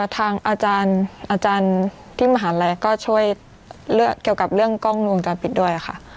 ทางอาจารย์ที่มหาลัยก็ช่วยเลือกเกี่ยวกับเรื่องกล้องวงจรปิดด้วยค่ะ